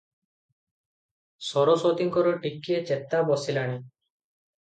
ସରସ୍ୱତୀଙ୍କର ଟିକିଏ ଚେତା ବସିଲାଣି ।